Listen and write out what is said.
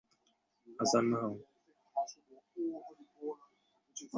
মোদা মাঝি মুখে নখের আঁচড়ে চুলকায়, যেন তার মাথায় হিসাবটা মিলতেছে না।